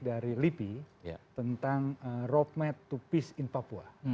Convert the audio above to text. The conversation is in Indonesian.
dari lipi tentang roadmap to peace in papua